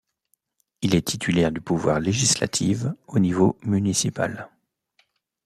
Il est titulaire du pouvoir législatif au niveau municipal.